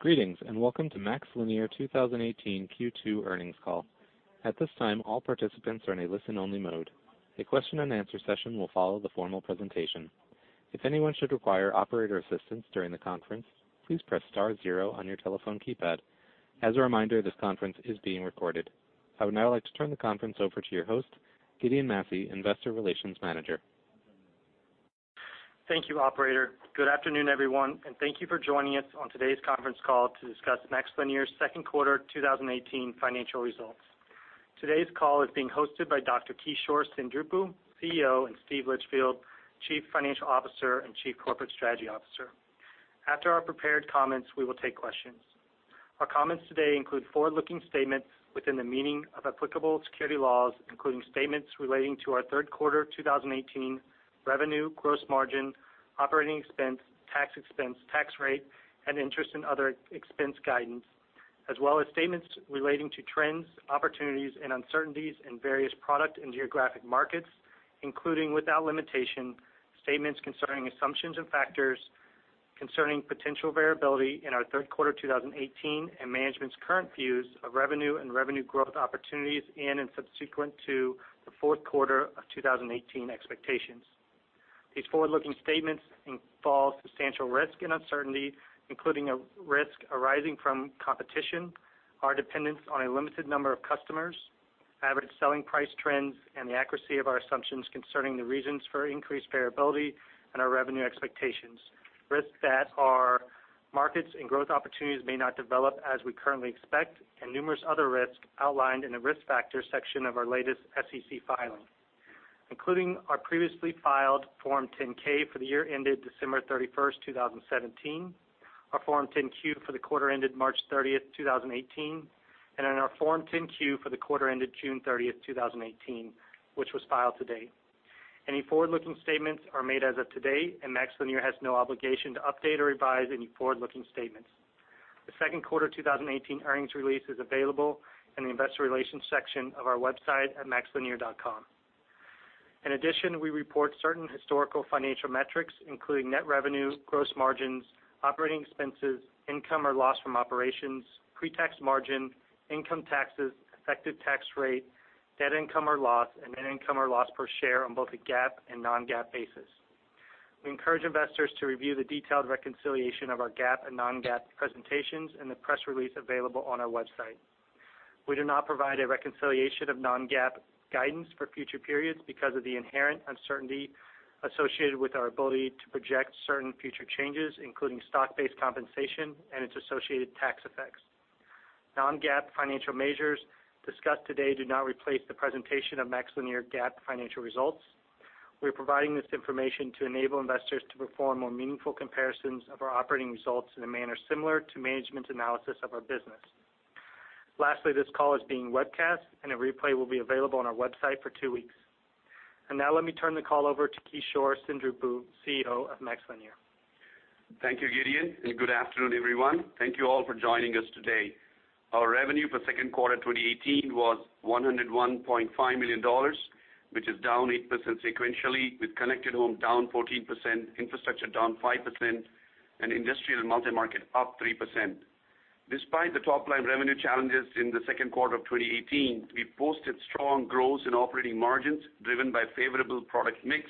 Greetings, welcome to MaxLinear 2018 Q2 earnings call. At this time, all participants are in a listen-only mode. A question and answer session will follow the formal presentation. If anyone should require operator assistance during the conference, please press star zero on your telephone keypad. As a reminder, this conference is being recorded. I would now like to turn the conference over to your host, Gideon Massey, Investor Relations Manager. Thank you, operator. Good afternoon, everyone, thank you for joining us on today's conference call to discuss MaxLinear's second quarter 2018 financial results. Today's call is being hosted by Dr. Kishore Seendripu, CEO, and Steve Litchfield, Chief Financial Officer and Chief Corporate Strategy Officer. After our prepared comments, we will take questions. Our comments today include forward-looking statements within the meaning of applicable security laws, including statements relating to our third quarter 2018 revenue, gross margin, operating expense, tax expense, tax rate, and interest in other expense guidance, as well as statements relating to trends, opportunities, and uncertainties in various product and geographic markets, including, without limitation, statements concerning assumptions and factors concerning potential variability in our third quarter 2018 and management's current views of revenue and revenue growth opportunities in and subsequent to the fourth quarter of 2018 expectations. These forward-looking statements involve substantial risk and uncertainty, including a risk arising from competition, our dependence on a limited number of customers, average selling price trends, and the accuracy of our assumptions concerning the reasons for increased variability and our revenue expectations. Risks that our markets and growth opportunities may not develop as we currently expect and numerous other risks outlined in the risk factor section of our latest SEC filing, including our previously filed Form 10-K for the year ended December 31st, 2017, our Form 10-Q for the quarter ended March 30th, 2018, and in our Form 10-Q for the quarter ended June 30th, 2018, which was filed to date. Any forward-looking statements are made as of today, MaxLinear has no obligation to update or revise any forward-looking statements. The second quarter 2018 earnings release is available in the investor relations section of our website at maxlinear.com. In addition, we report certain historical financial metrics, including net revenue, gross margins, operating expenses, income or loss from operations, pre-tax margin, income taxes, effective tax rate, net income or loss, and net income or loss per share on both a GAAP and non-GAAP basis. We encourage investors to review the detailed reconciliation of our GAAP and non-GAAP presentations in the press release available on our website. We do not provide a reconciliation of non-GAAP guidance for future periods because of the inherent uncertainty associated with our ability to project certain future changes, including stock-based compensation and its associated tax effects. Non-GAAP financial measures discussed today do not replace the presentation of MaxLinear GAAP financial results. We're providing this information to enable investors to perform more meaningful comparisons of our operating results in a manner similar to management's analysis of our business. Lastly, this call is being webcast, and a replay will be available on our website for two weeks. Now let me turn the call over to Kishore Seendripu, CEO of MaxLinear. Thank you, Gideon, and good afternoon, everyone. Thank you all for joining us today. Our revenue for second quarter 2018 was $101.5 million, which is down 8% sequentially, with Connected Home down 14%, Infrastructure down 5%, and Industrial & Multi-Market up 3%. Despite the top-line revenue challenges in the second quarter of 2018, we posted strong growth in operating margins driven by favorable product mix,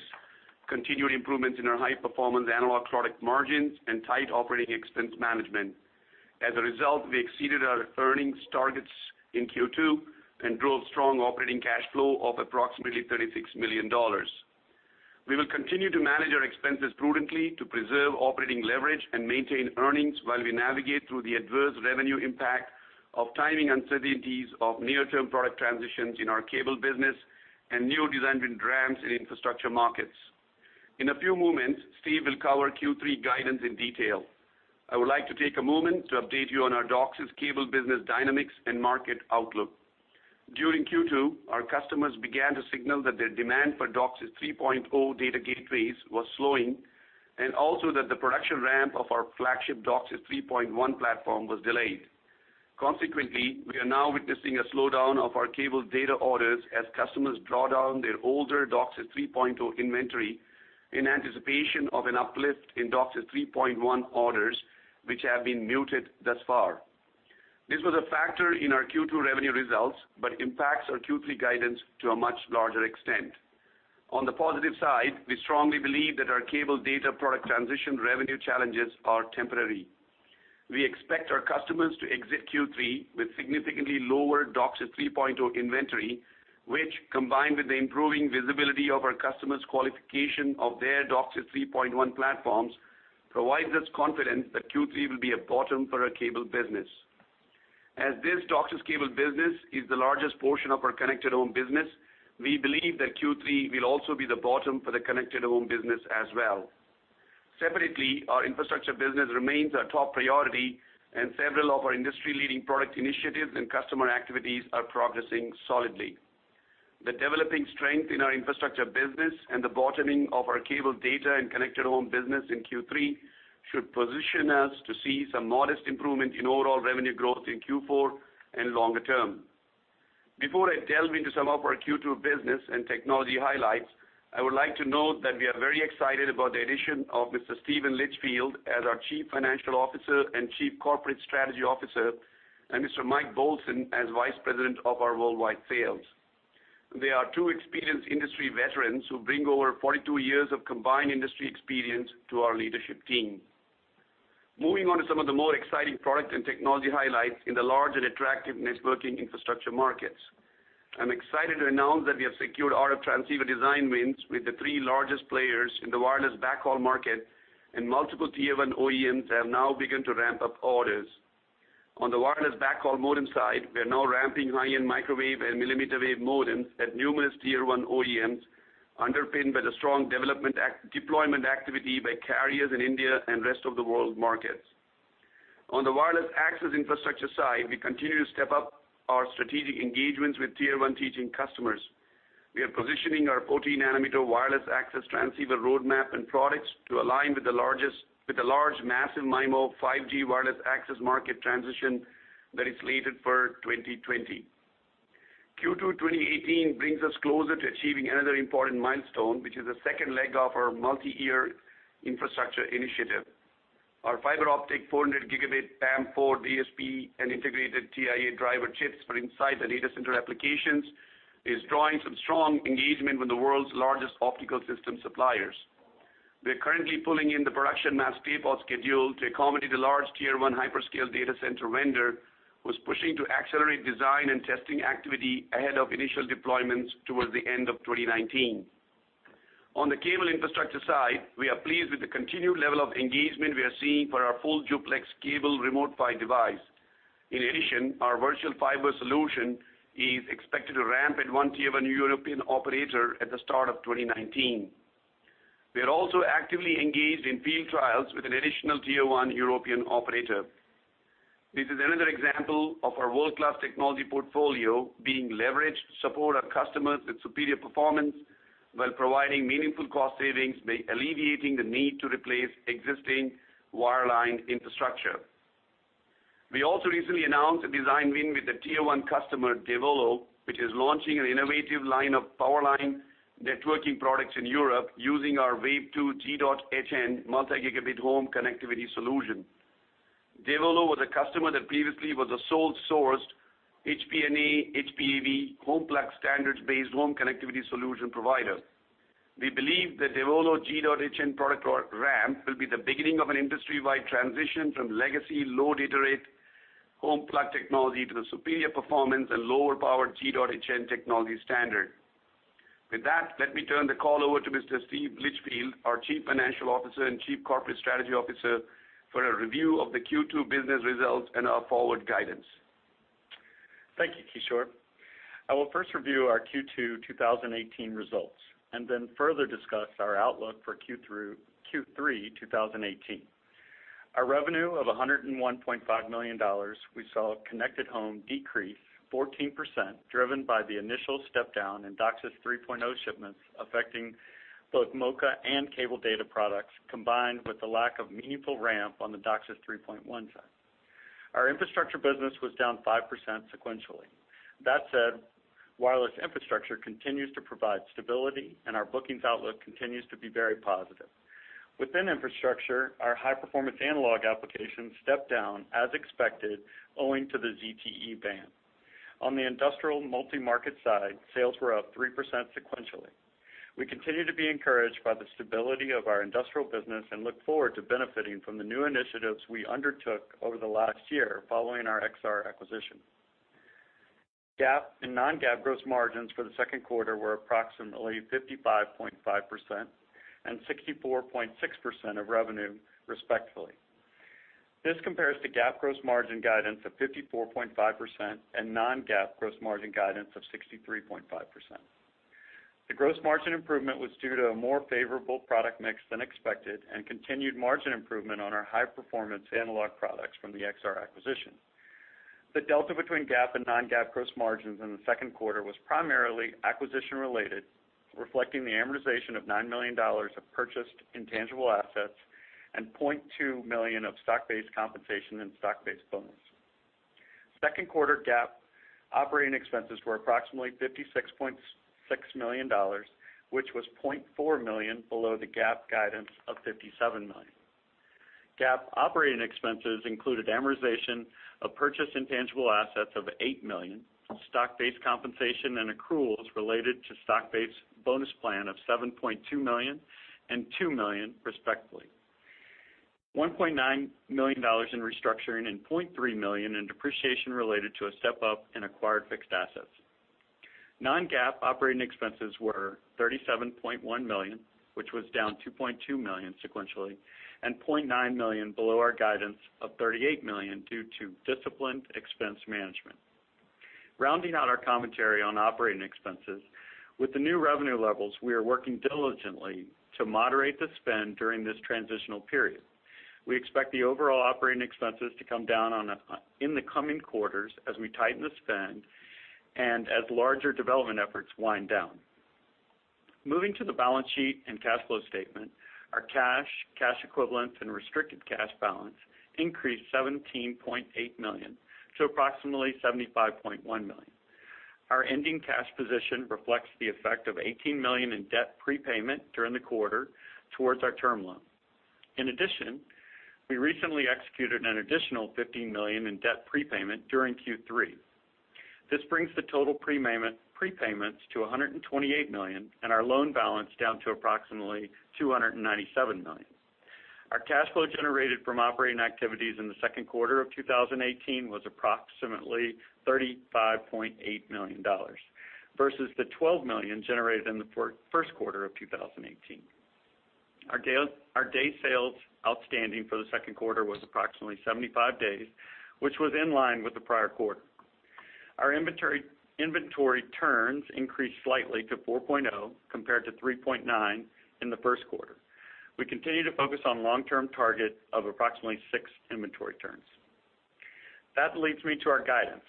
continued improvements in our high-performance analog product margins, and tight operating expense management. As a result, we exceeded our earnings targets in Q2 and drove strong operating cash flow of approximately $36 million. We will continue to manage our expenses prudently to preserve operating leverage and maintain earnings while we navigate through the adverse revenue impact of timing uncertainties of near-term product transitions in our cable business and new designs in DRAMs in infrastructure markets. In a few moments, Steve will cover Q3 guidance in detail. I would like to take a moment to update you on our DOCSIS cable business dynamics and market outlook. During Q2, our customers began to signal that their demand for DOCSIS 3.0 data gateways was slowing and also that the production ramp of our flagship DOCSIS 3.1 platform was delayed. Consequently, we are now witnessing a slowdown of our cable data orders as customers draw down their older DOCSIS 3.0 inventory in anticipation of an uplift in DOCSIS 3.1 orders, which have been muted thus far. This was a factor in our Q2 revenue results but impacts our Q3 guidance to a much larger extent. On the positive side, we strongly believe that our cable data product transition revenue challenges are temporary. We expect our customers to exit Q3 with significantly lower DOCSIS 3.0 inventory, which, combined with the improving visibility of our customers' qualification of their DOCSIS 3.1 platforms, provides us confidence that Q3 will be a bottom for our cable business. As this DOCSIS cable business is the largest portion of our Connected Home business, we believe that Q3 will also be the bottom for the Connected Home business as well. Separately, our Infrastructure business remains our top priority, and several of our industry-leading product initiatives and customer activities are progressing solidly. The developing strength in our Infrastructure business and the bottoming of our cable data and Connected Home business in Q3 should position us to see some modest improvement in overall revenue growth in Q4 and longer term. Before I delve into some of our Q2 business and technology highlights, I would like to note that we are very excited about the addition of Mr. Steven Litchfield as our Chief Financial Officer and Chief Corporate Strategy Officer, and Mr. Mike Bollesen as Vice President of our worldwide sales. They are two experienced industry veterans who bring over 42 years of combined industry experience to our leadership team. Moving on to some of the more exciting product and technology highlights in the large and attractive networking Infrastructure markets. I am excited to announce that we have secured RF transceiver design wins with the three largest players in the wireless backhaul market, and multiple tier 1 OEMs have now begun to ramp up orders. On the wireless backhaul modem side, we are now ramping high-end microwave and millimeter wave modems at numerous tier 1 OEMs, underpinned by the strong deployment activity by carriers in India and rest of the world markets. On the wireless access Infrastructure side, we continue to step up our strategic engagements with tier 1 [telecom] customers. We are positioning our 40 nanometer wireless access transceiver roadmap and products to align with the large Massive MIMO 5G wireless access market transition that is slated for 2020. Q2 2018 brings us closer to achieving another important milestone, which is the second leg of our multi-year Infrastructure initiative. Our fiber optic 400 gigabit PAM4 DSP and integrated TIA driver chips for inside the data center applications is drawing some strong engagement with the world's largest optical system suppliers. We are currently pulling in the production mask tape-out schedule to accommodate a large tier 1 hyperscale data center vendor, who is pushing to accelerate design and testing activity ahead of initial deployments towards the end of 2019. On the cable Infrastructure side, we are pleased with the continued level of engagement we are seeing for our full-duplex cable Remote PHY device. In addition, our Virtual Fiber solution is expected to ramp at one tier 1 European operator at the start of 2019. We are also actively engaged in field trials with an additional tier 1 European operator. This is another example of our world-class technology portfolio being leveraged to support our customers with superior performance while providing meaningful cost savings by alleviating the need to replace existing wireline Infrastructure. We also recently announced a design win with the tier 1 customer, devolo, which is launching an innovative line of power line networking products in Europe using our Wave-2 G.hn multi-gigabit Connected Home connectivity solution. devolo was a customer that previously was a sole sourced HPNA, HomePlug AV, HomePlug standards-based Connected Home connectivity solution provider. We believe the devolo G.hn product ramp will be the beginning of an industry-wide transition from legacy low data rate HomePlug technology to the superior performance and lower power G.hn technology standard. With that, let me turn the call over to Mr. Steve Litchfield, our Chief Financial Officer and Chief Corporate Strategy Officer, for a review of the Q2 business results and our forward guidance. Thank you, Kishore. I will first review our Q2 2018 results, and then further discuss our outlook for Q3 2018. Our revenue of $101.5 million, we saw Connected Home decrease 14%, driven by the initial step-down in DOCSIS 3.0 shipments affecting both MoCA and cable data products, combined with the lack of meaningful ramp on the DOCSIS 3.1 side. Our Infrastructure business was down 5% sequentially. That said, wireless infrastructure continues to provide stability, and our bookings outlook continues to be very positive. Within Infrastructure, our high-performance analog applications stepped down as expected, owing to the ZTE ban. On the Industrial & Multi-Market side, sales were up 3% sequentially. We continue to be encouraged by the stability of our industrial business and look forward to benefiting from the new initiatives we undertook over the last year following our Exar acquisition. GAAP and non-GAAP gross margins for the second quarter were approximately 55.5% and 64.6% of revenue, respectively. This compares to GAAP gross margin guidance of 54.5% and non-GAAP gross margin guidance of 63.5%. The gross margin improvement was due to a more favorable product mix than expected and continued margin improvement on our high-performance analog products from the Exar acquisition. The delta between GAAP and non-GAAP gross margins in the second quarter was primarily acquisition related, reflecting the amortization of $9 million of purchased intangible assets and $0.2 million of stock-based compensation and stock-based bonus. Second quarter GAAP operating expenses were approximately $56.6 million, which was $0.4 million below the GAAP guidance of $57 million. GAAP operating expenses included amortization of purchased intangible assets of $8 million, stock-based compensation and accruals related to stock-based bonus plan of $7.2 million and $2 million, respectively. $1.9 million in restructuring and $0.3 million in depreciation related to a step-up in acquired fixed assets. Non-GAAP operating expenses were $37.1 million, which was down $2.2 million sequentially and $0.9 million below our guidance of $38 million due to disciplined expense management. Rounding out our commentary on operating expenses, with the new revenue levels, we are working diligently to moderate the spend during this transitional period. We expect the overall operating expenses to come down in the coming quarters as we tighten the spend and as larger development efforts wind down. Moving to the balance sheet and cash flow statement, our cash equivalents, and restricted cash balance increased $17.8 million to approximately $75.1 million. Our ending cash position reflects the effect of $18 million in debt prepayment during the quarter towards our term loan. In addition, we recently executed an additional $15 million in debt prepayment during Q3. This brings the total prepayments to $128 million, and our loan balance down to approximately $297 million. Our cash flow generated from operating activities in the second quarter of 2018 was approximately $35.8 million, versus the $12 million generated in the first quarter of 2018. Our day sales outstanding for the second quarter was approximately 75 days, which was in line with the prior quarter. Our inventory turns increased slightly to 4.0, compared to 3.9 in the first quarter. We continue to focus on long-term target of approximately six inventory turns. That leads me to our guidance.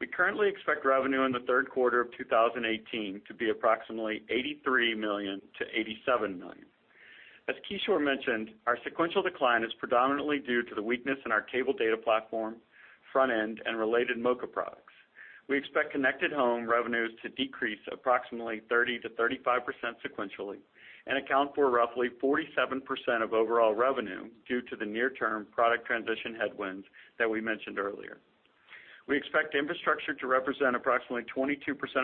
We currently expect revenue in the third quarter of 2018 to be approximately $83 million-$87 million. As Kishore mentioned, our sequential decline is predominantly due to the weakness in our cable data platform, front end, and related MoCA products. We expect Connected Home revenues to decrease approximately 30%-35% sequentially and account for roughly 47% of overall revenue due to the near-term product transition headwinds that we mentioned earlier. We expect Infrastructure to represent approximately 22%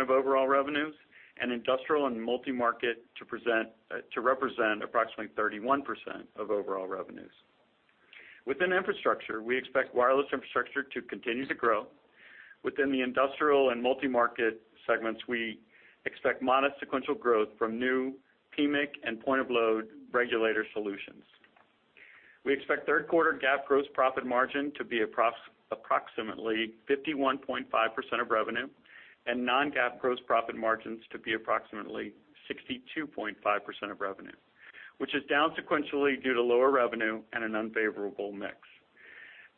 of overall revenues and Industrial & Multi-Market to represent approximately 31% of overall revenues. Within Infrastructure, we expect wireless infrastructure to continue to grow. Within the Industrial & Multi-Market segments, we expect modest sequential growth from new PMIC and point-of-load regulator solutions. We expect third quarter GAAP gross profit margin to be approximately 51.5% of revenue and non-GAAP gross profit margins to be approximately 62.5% of revenue, which is down sequentially due to lower revenue and an unfavorable mix.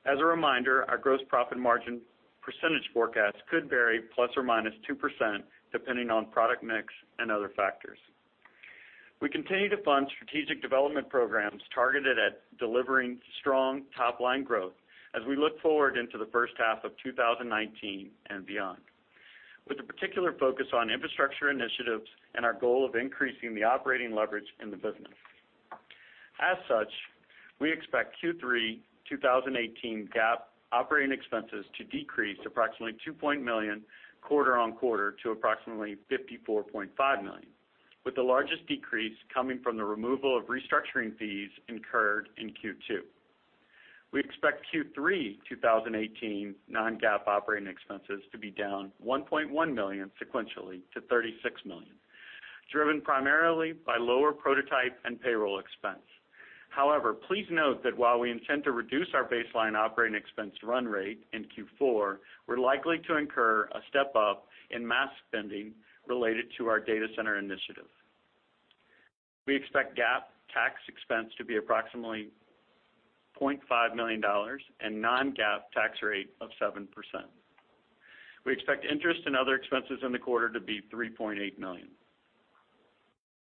As a reminder, our gross profit margin percentage forecast could vary ±2% depending on product mix and other factors. We continue to fund strategic development programs targeted at delivering strong top-line growth as we look forward into the first half of 2019 and beyond, with a particular focus on Infrastructure initiatives and our goal of increasing the operating leverage in the business. As such, we expect Q3 2018 GAAP operating expenses to decrease approximately $2 million quarter-on-quarter to approximately $54.5 million, with the largest decrease coming from the removal of restructuring fees incurred in Q2. We expect Q3 2018 non-GAAP operating expenses to be down $1.1 million sequentially to $36 million, driven primarily by lower prototype and payroll expense. However, please note that while we intend to reduce our baseline operating expense run rate in Q4, we're likely to incur a step-up in mask spending related to our data center initiative. We expect GAAP tax expense to be approximately $0.5 million and non-GAAP tax rate of 7%. We expect interest in other expenses in the quarter to be $3.8 million.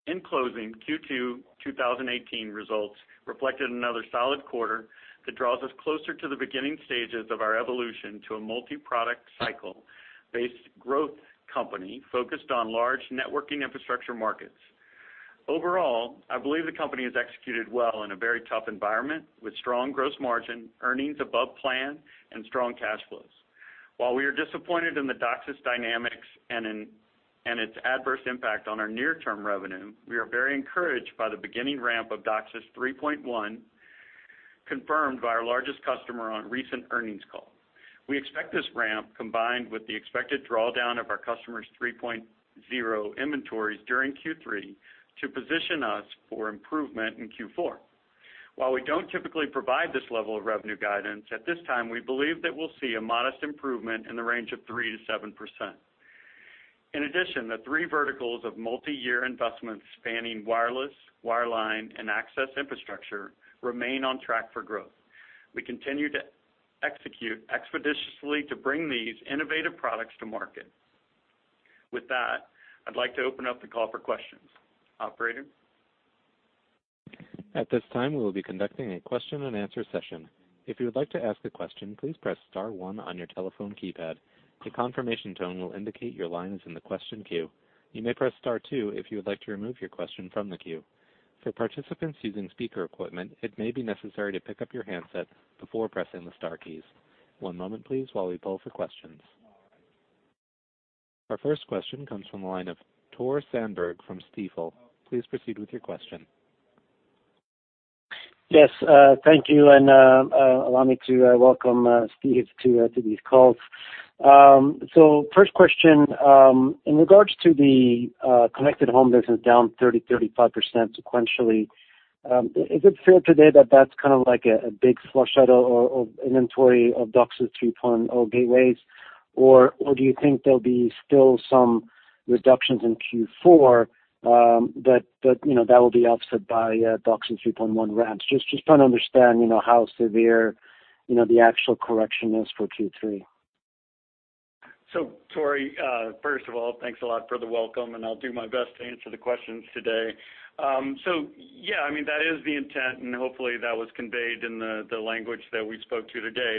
In closing, Q2 2018 results reflected another solid quarter that draws us closer to the beginning stages of our evolution to a multi-product cycle-based growth company focused on large networking Infrastructure markets. Overall, I believe the company has executed well in a very tough environment with strong gross margin, earnings above plan, and strong cash flows. While we are disappointed in the DOCSIS dynamics and its adverse impact on our near-term revenue, we are very encouraged by the beginning ramp of DOCSIS 3.1 confirmed by our largest customer on recent earnings call. We expect this ramp, combined with the expected drawdown of our customers' 3.0 inventories during Q3, to position us for improvement in Q4. While we don't typically provide this level of revenue guidance, at this time, we believe that we'll see a modest improvement in the range of 3%-7%. In addition, the three verticals of multi-year investments spanning wireless, wireline, and access Infrastructure remain on track for growth. We continue to execute expeditiously to bring these innovative products to market. With that, I'd like to open up the call for questions. Operator? At this time, we will be conducting a question and answer session. If you would like to ask a question, please press star one on your telephone keypad. The confirmation tone will indicate your line is in the question queue. You may press star two if you would like to remove your question from the queue. For participants using speaker equipment, it may be necessary to pick up your handset before pressing the star keys. One moment, please, while we poll for questions. Our first question comes from the line of Tore Svanberg from Stifel. Please proceed with your question. Yes. Thank you, and allow me to welcome Steve to these calls. First question, in regards to the Connected Home business down 30%-35% sequentially, is it fair today that that's kind of like a big flush out or inventory of DOCSIS 3.0 gateways, or do you think there'll be still some reductions in Q4 that will be offset by DOCSIS 3.1 ramps? Just trying to understand how severe the actual correction is for Q3. Tore, first of all, thanks a lot for the welcome, and I'll do my best to answer the questions today.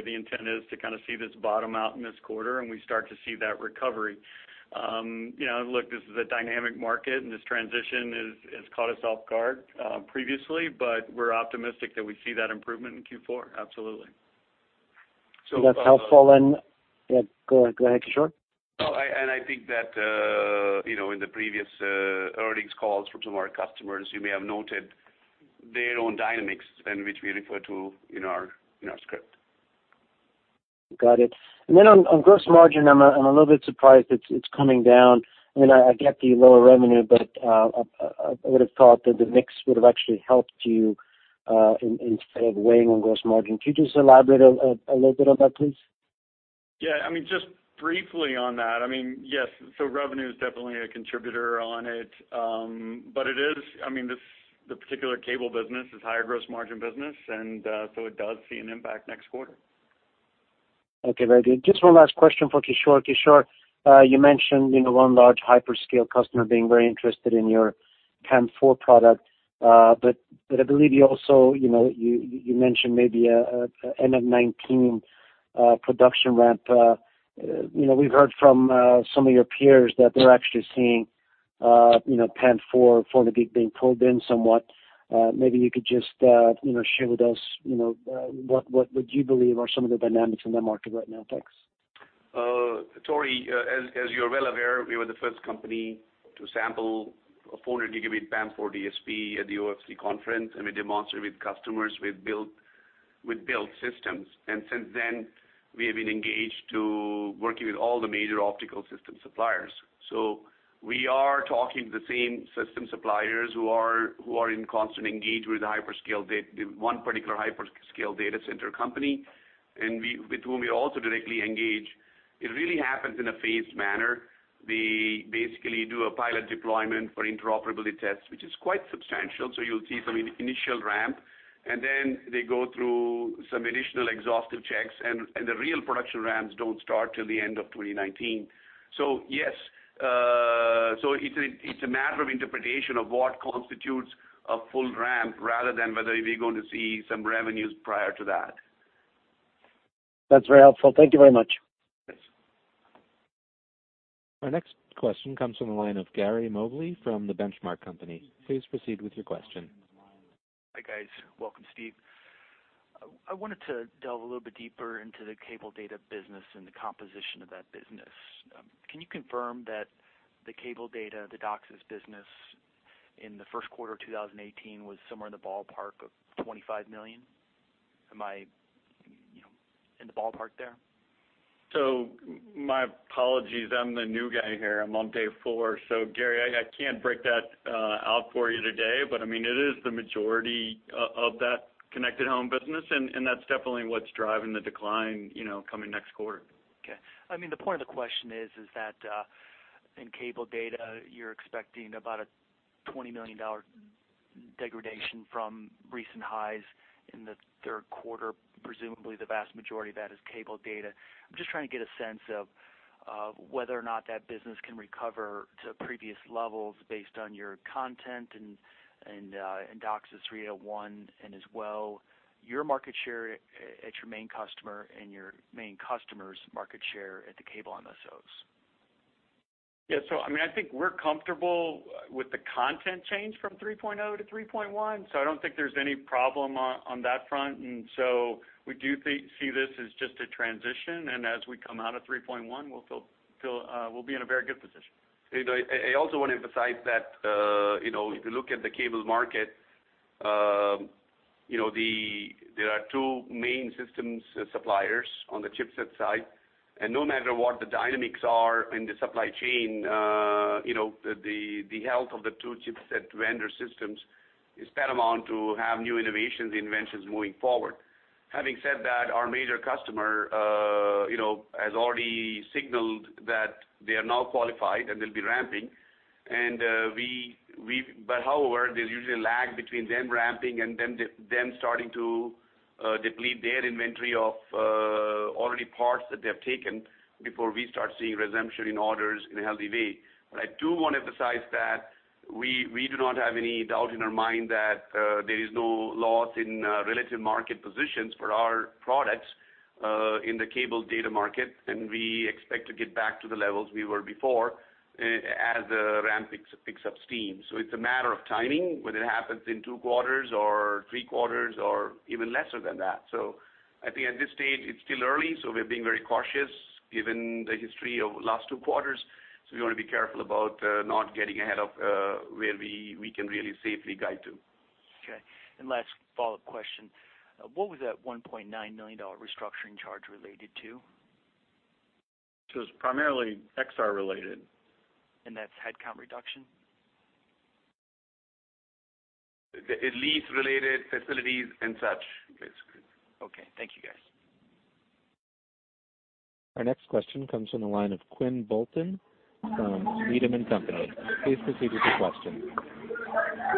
The intent is to kind of see this bottom out in this quarter, and we start to see that recovery. Look, this is a dynamic market, and this transition has caught us off guard previously, but we're optimistic that we see that improvement in Q4, absolutely. That's helpful. Yeah, go ahead, Kishore. I think that in the previous earnings calls from some of our customers, you may have noted their own dynamics, which we refer to in our script. Got it. On gross margin, I'm a little bit surprised it's coming down. I get the lower revenue, I would've thought that the mix would have actually helped you in instead of weighing on gross margin. Could you just elaborate a little bit on that, please? Yeah. Just briefly on that, yes. Revenue is definitely a contributor on it. The particular cable business is higher gross margin business, and so it does see an impact next quarter. Okay, very good. Just one last question for Kishore. Kishore, you mentioned one large hyperscale customer being very interested in your PAM4 product. I believe you also mentioned maybe a end of 2019 production ramp. We've heard from some of your peers that they're actually seeing PAM4 400 gig being pulled in somewhat. Maybe you could just share with us what would you believe are some of the dynamics in that market right now? Thanks. Tore, as you are well aware, we were the first company to sample a 400 gigabit PAM4 DSP at the OFC conference. We demonstrated with customers, with built systems. Since then, we have been engaged to working with all the major optical system suppliers. We are talking to the same system suppliers who are in constant engagement with the one particular hyperscale data center company. With whom we also directly engage. It really happens in a phased manner. They basically do a pilot deployment for interoperability tests, which is quite substantial. You'll see some initial ramp, and then they go through some additional exhaustive checks. The real production ramps don't start till the end of 2019. Yes, it's a matter of interpretation of what constitutes a full ramp rather than whether we are going to see some revenues prior to that. That's very helpful. Thank you very much. Yes. Our next question comes from the line of Gary Mobley from The Benchmark Company. Please proceed with your question. Hi, guys. Welcome, Steve. I wanted to delve a little bit deeper into the cable data business and the composition of that business. Can you confirm that the cable data, the DOCSIS business in the first quarter 2018 was somewhere in the ballpark of $25 million? Am I in the ballpark there? My apologies. I'm the new guy here. I'm on day four. Gary, I can't break that out for you today. It is the majority of that Connected Home business, and that's definitely what's driving the decline coming next quarter. Okay. The point of the question is that in cable data, you're expecting about a $20 million degradation from recent highs in the third quarter. Presumably, the vast majority of that is cable data. I'm just trying to get a sense of whether or not that business can recover to previous levels based on your content and DOCSIS 3.1, and as well, your market share at your main customer and your main customer's market share at the cable MSOs. Yeah. I think we're comfortable with the content change from 3.0 to 3.1, so I don't think there's any problem on that front. We do see this as just a transition, and as we come out of 3.1, we'll be in a very good position. I also want to emphasize that if you look at the cable market, there are two main systems suppliers on the chipset side. No matter what the dynamics are in the supply chain, the health of the two chipset vendor systems is paramount to have new innovations, inventions moving forward. Having said that, our major customer has already signaled that they are now qualified and they'll be ramping. However, there's usually a lag between them ramping and them starting to deplete their inventory of already parts that they have taken before we start seeing resumption in orders in a healthy way. I do want to emphasize that we do not have any doubt in our mind that there is no loss in relative market positions for our products in the cable data market. We expect to get back to the levels we were before as the ramp picks up steam. It's a matter of timing, whether it happens in two quarters or three quarters or even lesser than that. I think at this stage, it's still early, we are being very cautious given the history of last two quarters. We want to be careful about not getting ahead of where we can really safely guide to. Okay. Last follow-up question. What was that $1.9 million restructuring charge related to? It's primarily Exar related. That's headcount reduction? The lease related facilities and such. Okay. Thank you, guys. Our next question comes from the line of Quinn Bolton from Needham & Company. Please proceed with your question.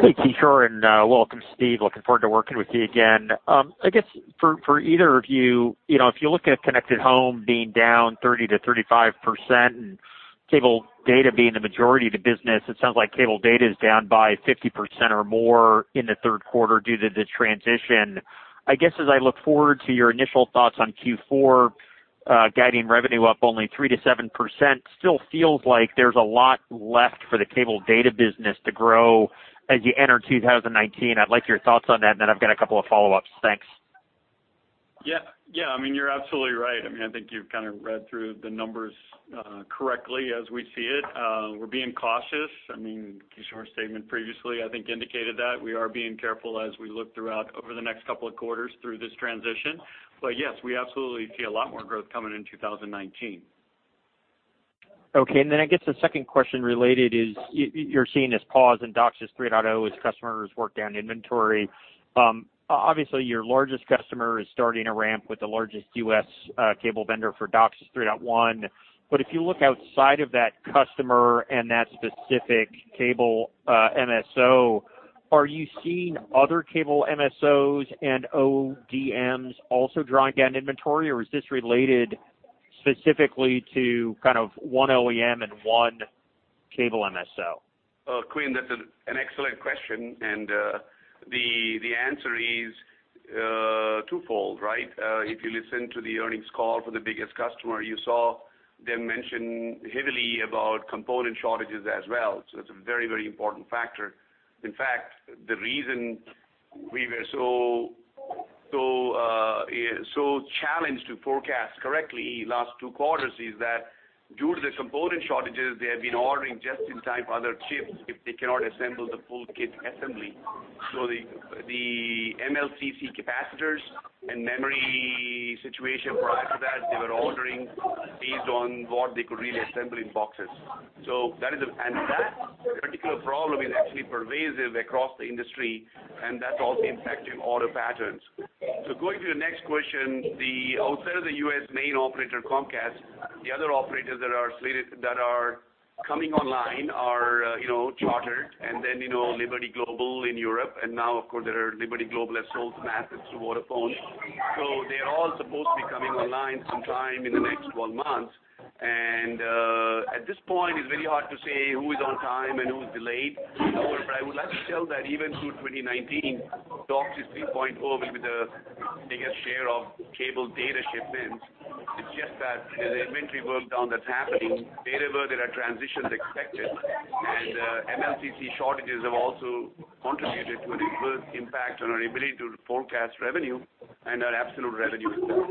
Hey, Kishore, and welcome, Steve. Looking forward to working with you again. I guess, for either of you, if you look at Connected Home being down 30%-35% and Cable Data being the majority of the business, it sounds like Cable Data is down by 50% or more in the third quarter due to the transition. I guess as I look forward to your initial thoughts on Q4, guiding revenue up only 3%-7% still feels like there's a lot left for the Cable Data business to grow as you enter 2019. I'd like your thoughts on that, and then I've got a couple of follow-ups. Thanks. Yeah. You're absolutely right. I think you've read through the numbers correctly as we see it. We're being cautious. Kishore's statement previously, I think, indicated that we are being careful as we look throughout over the next couple of quarters through this transition. Yes, we absolutely see a lot more growth coming in 2019. Okay. I guess the second question related is, you're seeing this pause in DOCSIS 3.0 as customers work down inventory. Obviously, your largest customer is starting a ramp with the largest U.S. cable vendor for DOCSIS 3.1. If you look outside of that customer and that specific cable MSO, are you seeing other cable MSOs and ODMs also drawing down inventory, or is this related specifically to one OEM and one cable MSO? Quinn, that's an excellent question. The answer is twofold, right? If you listen to the earnings call for the biggest customer, you saw them mention heavily about component shortages as well. It's a very important factor. In fact, the reason we were so challenged to forecast correctly last two quarters is that due to the component shortages, they have been ordering just-in-time other chips if they cannot assemble the full kit assembly. The MLCC capacitors and memory situation prior to that, they were ordering based on what they could really assemble in boxes. That particular problem is actually pervasive across the industry, and that's also impacting order patterns. Going to your next question, outside of the U.S. main operator, Comcast, the other operators that are coming online are Charter and Liberty Global in Europe. Now, of course, Liberty Global has sold Unitymedia to Vodafone. They're all supposed to be coming online sometime in the next 12 months. At this point, it's very hard to say who is on time and who is delayed. However, I would like to tell that even through 2019, DOCSIS 3.0 will be the biggest share of cable data shipments. It's just that there's inventory work down that's happening wherever there are transitions expected. MLCC shortages have also contributed to an adverse impact on our ability to forecast revenue and our absolute revenue itself.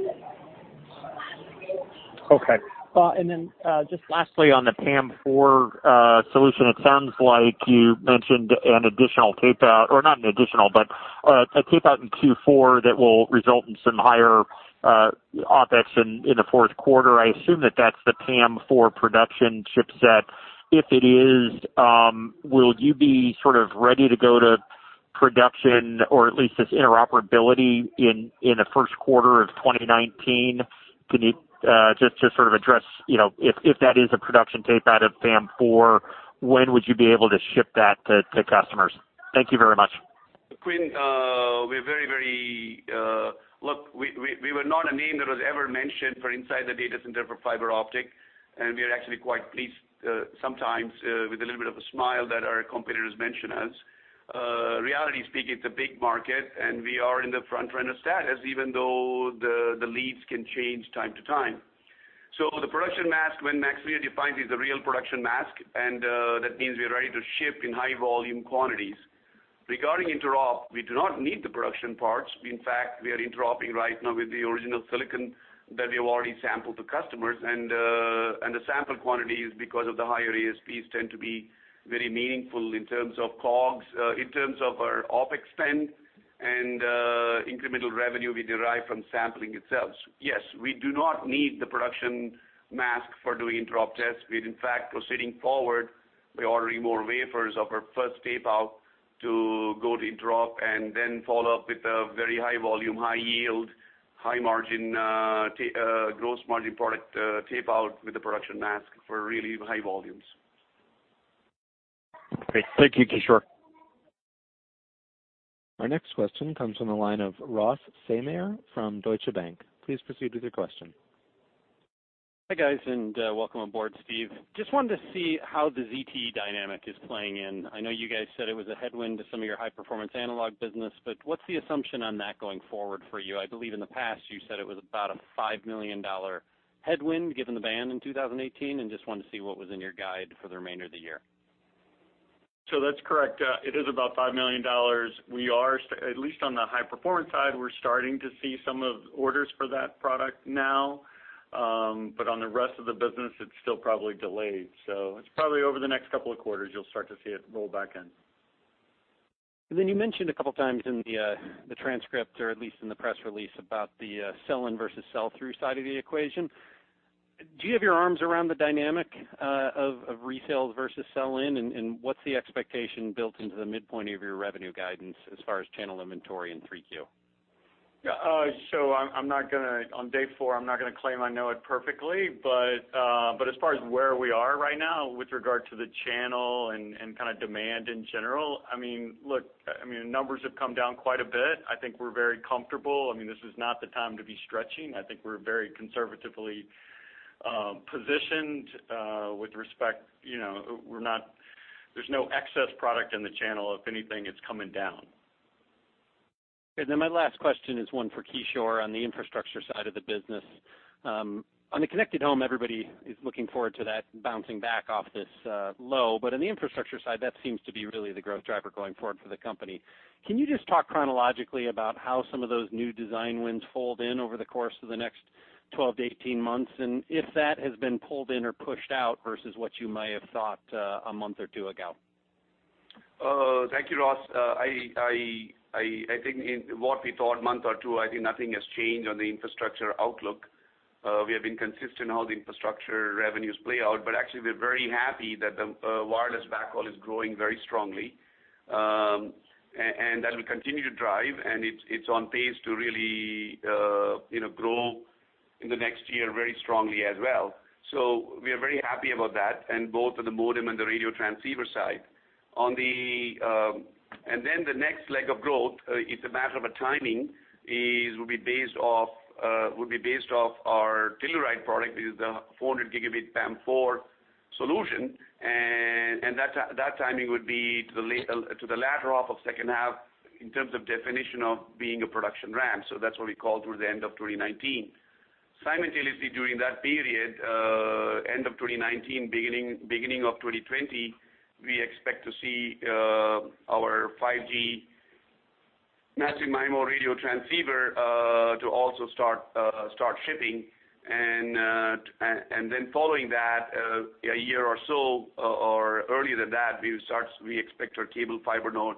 Just lastly, on the PAM4 solution, it sounds like you mentioned an additional tape out, or not an additional, but a tape out in Q4 that will result in some higher OpEx in the fourth quarter. I assume that that's the PAM4 production chipset. If it is, will you be ready to go to production or at least its interoperability in the first quarter of 2019? Can you just address if that is a production tape out of PAM4, when would you be able to ship that to customers? Thank you very much. Quinn, we're very look, we were not a name that was ever mentioned for inside the data center for fiber optic, and we are actually quite pleased, sometimes, with a little bit of a smile that our competitors mention us. Reality speaking, it's a big market, and we are in the front runner status, even though the leads can change time to time. The production mask, when MaxLinear defines, is a real production mask, and that means we're ready to ship in high volume quantities. Regarding interop, we do not need the production parts. In fact, we are interoping right now with the original silicon that we have already sampled to customers, and the sample quantities, because of the higher ASPs, tend to be very meaningful in terms of COGS, in terms of our OpEx spend and incremental revenue we derive from sampling itself. We do not need the production mask for doing interop tests. We're, in fact, proceeding forward by ordering more wafers of our first tape out to go to interop and then follow up with a very high volume, high yield, high margin, gross margin product tape out with the production mask for really high volumes. Great. Thank you, Kishore. Our next question comes from the line of Ross Seymore from Deutsche Bank. Please proceed with your question. Hi, guys, welcome aboard, Steve. Just wanted to see how the ZTE dynamic is playing in. I know you guys said it was a headwind to some of your high-performance analog business, what's the assumption on that going forward for you? I believe in the past you said it was about a $5 million headwind given the ban in 2018, just wanted to see what was in your guide for the remainder of the year. That's correct. It is about $5 million. At least on the high-performance side, we're starting to see some of the orders for that product now. On the rest of the business, it's still probably delayed. It's probably over the next couple of quarters you'll start to see it roll back in. You mentioned a couple times in the transcript, or at least in the press release, about the sell-in versus sell-through side of the equation. Do you have your arms around the dynamic of resales versus sell-in, and what's the expectation built into the midpoint of your revenue guidance as far as channel inventory in 3Q? On day four, I'm not going to claim I know it perfectly. As far as where we are right now with regard to the channel and demand in general, numbers have come down quite a bit. I think we're very comfortable. This is not the time to be stretching. I think we're very conservatively positioned. There's no excess product in the channel. If anything, it's coming down. My last question is one for Kishore on the Infrastructure side of the business. On the Connected Home, everybody is looking forward to that bouncing back off this low. On the Infrastructure side, that seems to be really the growth driver going forward for the company. Can you just talk chronologically about how some of those new design wins fold in over the course of the next 12-18 months, and if that has been pulled in or pushed out versus what you might have thought a month or two ago? Thank you, Ross. In what we thought a month or two, nothing has changed on the Infrastructure outlook. We have been consistent how the Infrastructure revenues play out. We're very happy that the wireless backhaul is growing very strongly. That will continue to drive, and it's on pace to really grow in the next year very strongly as well. We are very happy about that, both on the modem and the radio transceiver side. The next leg of growth, it's a matter of timing, will be based off our Telluride product, is the 400 Gigabit PAM4 solution. That timing would be to the latter half of second half in terms of definition of being a production ramp. That's what we call through the end of 2019. Simultaneously, during that period, end of 2019, beginning of 2020, we expect to see our 5G Massive MIMO radio transceiver to also start shipping. Following that, a year or so, or earlier than that, we expect our cable fiber node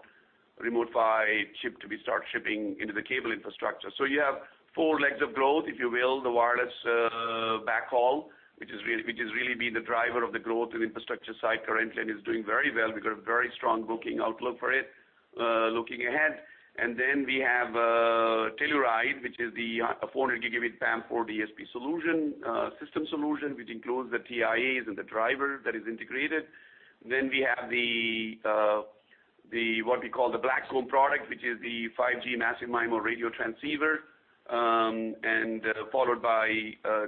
Remote PHY chip to be start shipping into the cable Infrastructure. You have four legs of growth, if you will, the wireless backhaul, which has really been the driver of the growth in Infrastructure side currently and is doing very well. We've got a very strong booking outlook for it looking ahead. We have Telluride, which is the 400 Gigabit PAM4 DSP solution, system solution, which includes the TIAs and the driver that is integrated. We have what we call the Blackcomb product, which is the 5G Massive MIMO radio transceiver, and followed by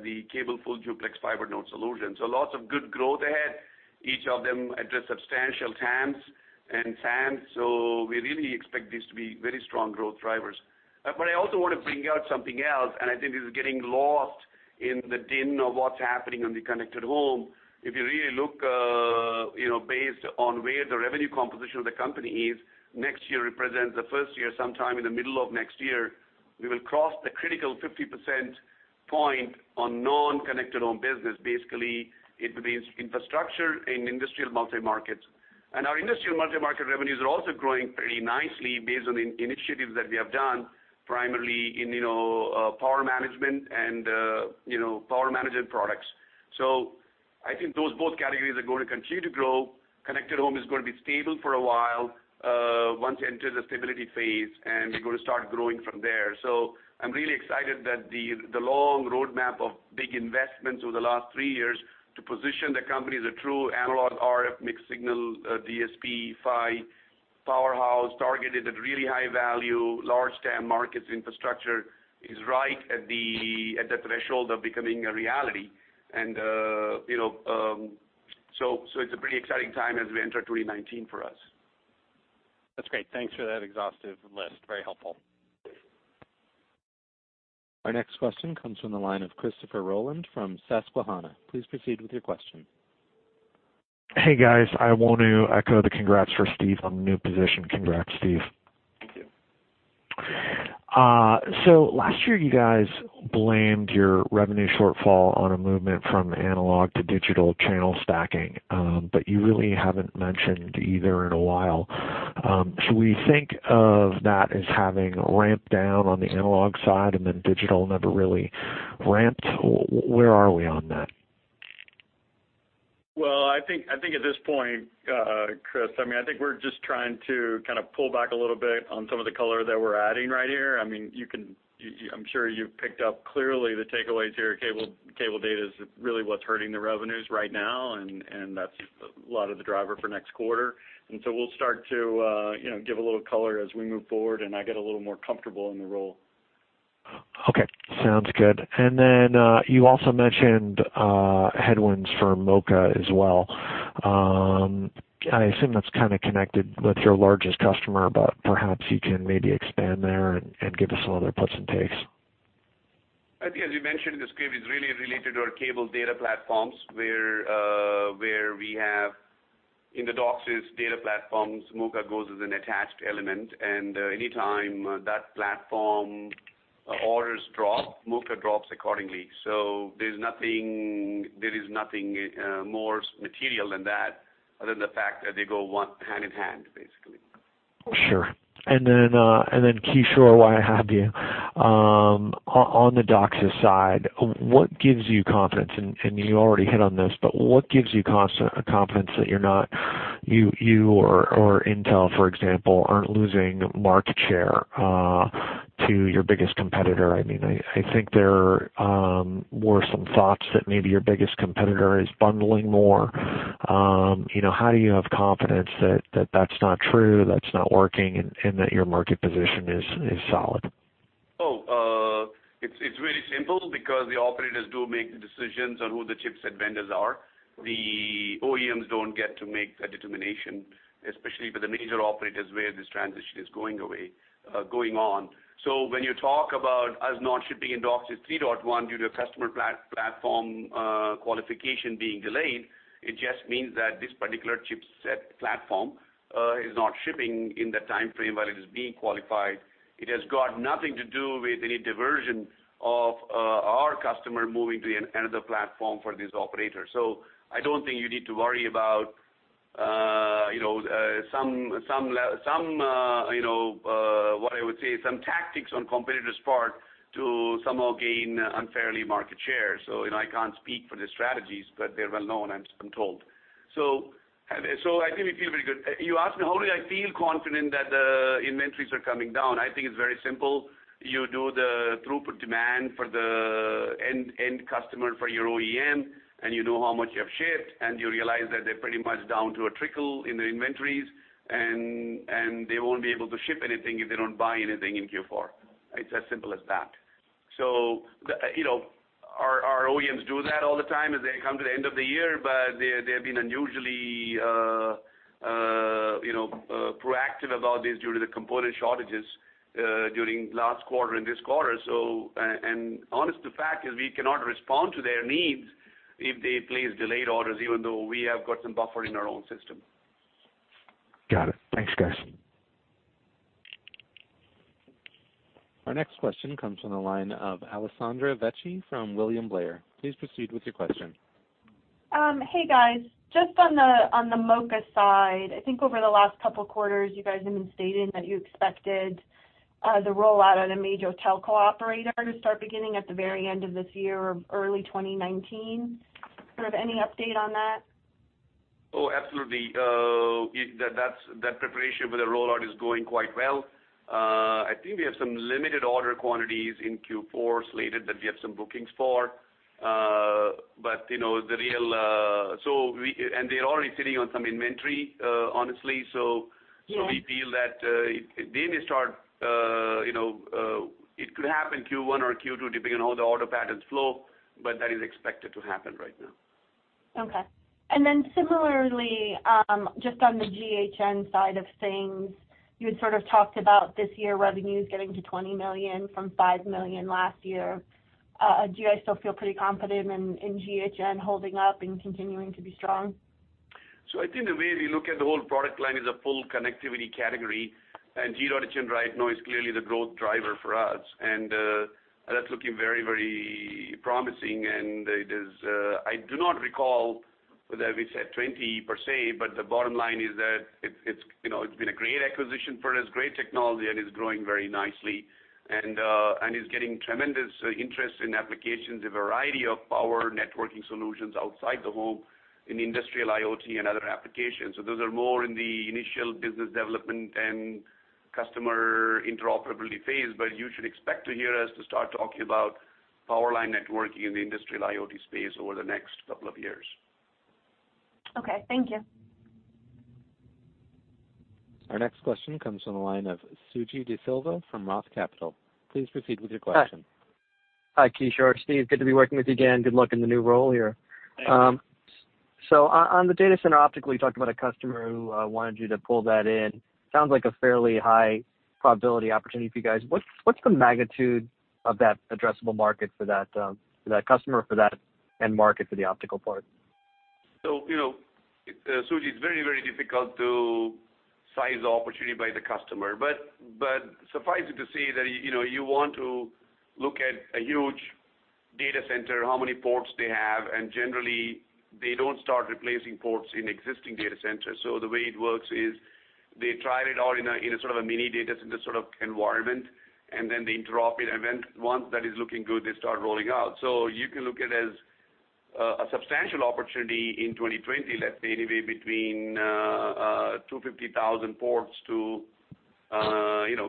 the cable full-duplex fiber node solution. Lots of good growth ahead. Each of them address substantial TAMs and SAM. We really expect this to be very strong growth drivers. I also want to bring out something else, and I think this is getting lost in the din of what's happening on the Connected Home. If you really look based on where the revenue composition of the company is, next year represents the first year, sometime in the middle of next year, we will cross the critical 50% point on non-Connected Home business. Basically, it means Infrastructure in Industrial & Multi-Market. Our Industrial & Multi-Market revenues are also growing pretty nicely based on initiatives that we have done, primarily in power management and power management products. I think those both categories are going to continue to grow. Connected Home is going to be stable for a while once it enters the stability phase, and we're going to start growing from there. I'm really excited that the long roadmap of big investments over the last three years to position the company as a true analog RF mixed signal DSP PHY powerhouse targeted at really high-value, large TAM markets Infrastructure is right at the threshold of becoming a reality. It's a pretty exciting time as we enter 2019 for us. That's great. Thanks for that exhaustive list. Very helpful. Our next question comes from the line of Christopher Rolland from Susquehanna. Please proceed with your question. Hey, guys. I want to echo the congrats for Steve on the new position. Congrats, Steve. Thank you. Last year, you guys blamed your revenue shortfall on a movement from analog to digital channel stacking. You really haven't mentioned either in a while. Should we think of that as having ramped down on the analog side and then digital never really ramped? Where are we on that? Well, I think at this point, Chris, I think we're just trying to pull back a little bit on some of the color that we're adding right here. I'm sure you've picked up clearly the takeaways here. Cable data is really what's hurting the revenues right now, and that's a lot of the driver for next quarter. We'll start to give a little color as we move forward, and I get a little more comfortable in the role. Okay. Sounds good. You also mentioned headwinds for MoCA as well. I assume that's kind of connected with your largest customer, but perhaps you can maybe expand there and give us some other puts and takes. I think as we mentioned, Chris, it is really related to our cable data platforms, where we have in the DOCSIS data platforms, MoCA goes as an attached element. Anytime that platform orders drop, MoCA drops accordingly. There is nothing more material than that other than the fact that they go hand in hand, basically. Sure. Kishore, while I have you, on the DOCSIS side, what gives you confidence, and you already hit on this, but what gives you confidence that you or Intel, for example, aren't losing market share to your biggest competitor. There were some thoughts that maybe your biggest competitor is bundling more. How do you have confidence that that's not true, that's not working, and that your market position is solid? It's really simple, because the operators do make the decisions on who the chipset vendors are. The OEMs don't get to make that determination, especially for the major operators where this transition is going on. When you talk about us not shipping in DOCSIS 3.1 due to customer platform qualification being delayed, it just means that this particular chipset platform is not shipping in the timeframe while it is being qualified. It has got nothing to do with any diversion of our customer moving to another platform for this operator. I don't think you need to worry about, what I would say, some tactics on competitor's part to somehow gain unfairly market share. I can't speak for the strategies, but they're well known, I'm told. We feel very good. You asked me how do I feel confident that the inventories are coming down. I think it's very simple. You do the throughput demand for the end customer for your OEM, and you know how much you have shipped, and you realize that they're pretty much down to a trickle in their inventories, and they won't be able to ship anything if they don't buy anything in Q4. It's as simple as that. Our OEMs do that all the time as they come to the end of the year, but they've been unusually proactive about this due to the component shortages during last quarter and this quarter. Honest to fact is we cannot respond to their needs if they place delayed orders, even though we have got some buffer in our own system. Got it. Thanks, guys. Our next question comes from the line of Alessandra Vesce from William Blair. Please proceed with your question. Hey, guys. Just on the MoCA side, I think over the last couple quarters, you guys have been stating that you expected the rollout on a major telco operator to start beginning at the very end of this year or early 2019. Sort of any update on that? Oh, absolutely. That preparation for the rollout is going quite well. I think we have some limited order quantities in Q4 slated that we have some bookings for. They're already sitting on some inventory, honestly. Yeah. We feel that the day they start, it could happen Q1 or Q2, depending on how the order patterns flow, but that is expected to happen right now. Okay. Similarly, just on the G.hn side of things, you had sort of talked about this year revenues getting to $20 million from $5 million last year. Do you guys still feel pretty confident in G.hn holding up and continuing to be strong? I think the way we look at the whole product line is a full connectivity category, and G.hn right now is clearly the growth driver for us. That's looking very promising, and I do not recall whether we said $20 per se, but the bottom line is that it's been a great acquisition for us, great technology, and is growing very nicely. It's getting tremendous interest in applications, a variety of power line networking solutions outside the home in industrial IoT and other applications. Those are more in the initial business development and customer interoperability phase, but you should expect to hear us to start talking about power line networking in the industrial IoT space over the next couple of years. Okay. Thank you. Our next question comes from the line of Suji Desilva from Roth Capital. Please proceed with your question. Hi, Kishore, Steve, good to be working with you again. Good luck in the new role here. Thanks. On the data center optical, you talked about a customer who wanted you to pull that in. Sounds like a fairly high probability opportunity for you guys. What's the magnitude of that addressable market for that customer, for that end market, for the optical part? Suji, it's very difficult to size the opportunity by the customer, but suffice it to say that you want to look at a huge data center, how many ports they have, and generally they don't start replacing ports in existing data centers. The way it works is they try it out in a sort of a mini data center sort of environment, and then they interop it, and then once that is looking good, they start rolling out. You can look at it as a substantial opportunity in 2020, let's say anywhere between 250,000 ports to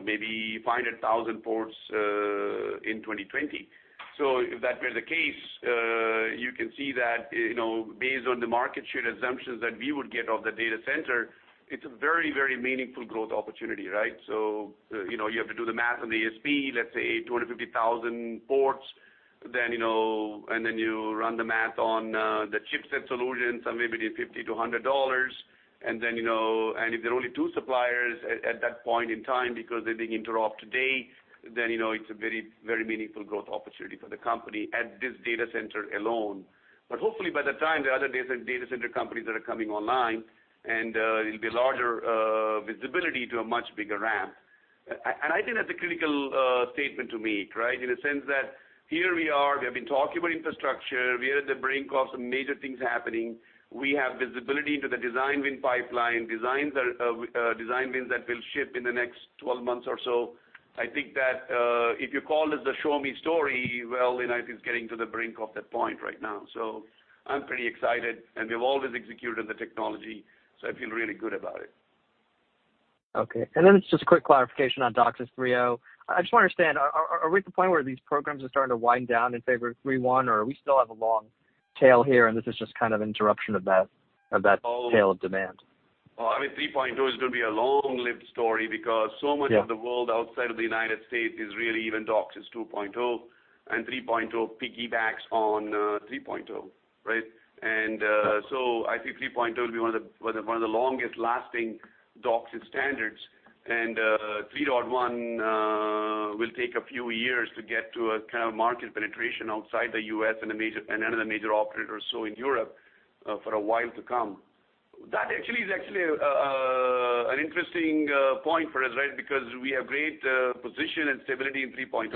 maybe 500,000 ports in 2020. If that were the case, you can see that based on the market share assumptions that we would get of the data center, it's a very meaningful growth opportunity, right? You have to do the math on the ASP, let's say 250,000 ports. You run the math on the chipset solution, somewhere between $50-$100. If there are only two suppliers at that point in time because they've been interoped to date, then it's a very meaningful growth opportunity for the company at this data center alone. Hopefully by that time, there are other data center companies that are coming online, and it'll be larger visibility to a much bigger ramp. I think that's a critical statement to make, right? In the sense that here we are, we have been talking about Infrastructure. We are at the brink of some major things happening. We have visibility into the design win pipeline, design wins that will ship in the next 12 months or so. I think that if you call it the show-me story, well, I think it's getting to the brink of that point right now. I'm pretty excited, and we've always executed the technology, so I feel really good about it. Okay. It's just quick clarification on DOCSIS 3.0. I just want to understand, are we at the point where these programs are starting to wind down in favor of 3.1, or we still have a long tail here and this is just kind of interruption of that tail of demand? Well, I mean, 3.0 is going to be a long-lived story because. Yeah of the world outside of the United States is really even DOCSIS 2.0, 3.0 piggybacks on 3.0, right? I think 3.0 will be one of the longest lasting DOCSIS standards, and 3.1 will take a few years to get to a kind of market penetration outside the U.S. and another major operator or so in Europe for a while to come. That actually is an interesting point for us, right? Because we have great position and stability in 3.0,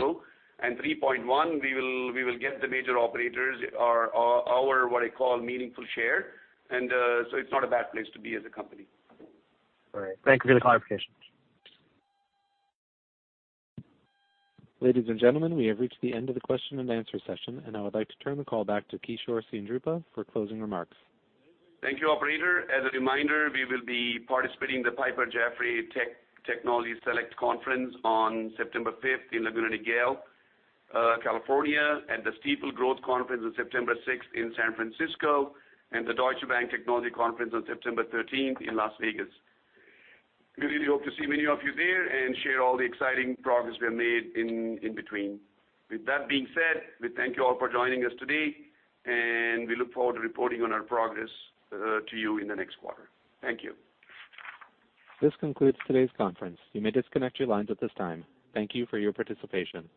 and 3.1, we will get the major operators or our, what I call, meaningful share. It's not a bad place to be as a company. All right. Thank you for the clarification. Ladies and gentlemen, we have reached the end of the question and answer session. I would like to turn the call back to Kishore Seendripu for closing remarks. Thank you, operator. As a reminder, we will be participating in the Piper Jaffray Technology Select Conference on September fifth in Laguna Niguel, California, at the Stifel Growth Conference on September sixth in San Francisco, and the Deutsche Bank Technology Conference on September 13th in Las Vegas. We really hope to see many of you there and share all the exciting progress we have made in between. With that being said, we thank you all for joining us today, and we look forward to reporting on our progress to you in the next quarter. Thank you. This concludes today's conference. You may disconnect your lines at this time. Thank you for your participation.